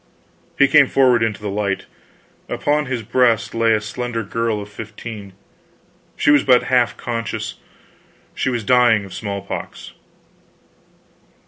He came forward into the light; upon his breast lay a slender girl of fifteen. She was but half conscious; she was dying of smallpox.